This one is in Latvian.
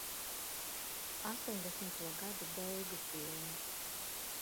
Astoņdesmito gadu beigu filma.